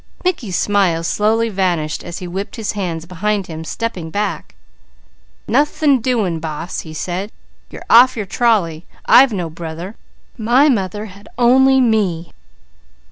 Mickey's smile slowly vanished as he whipped his hands behind him, stepping back. "Nothin' doing, Boss," he said. "You're off your trolley. I've no brother. My mother had only me."